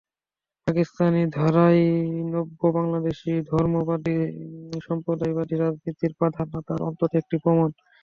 পাকিস্তানি ধারায় নব্য বাংলাদেশে ধর্মবাদী-সম্প্রদায়বাদী রাজনীতির প্রাধান্য তার অন্তত একটি প্রমাণ।